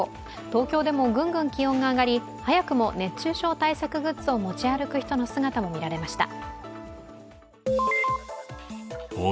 東京でもぐんぐん気温が上がり、早くも熱中症対策グッズを持ち歩く人の姿も見られました。